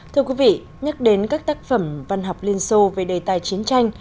thưa quý vị nhắc đến các tác phẩm văn học liên xô về đề tài chiến tranh